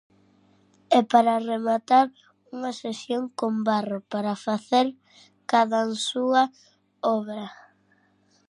E para rematar, unha sesión con barro para facer cadansúa obra.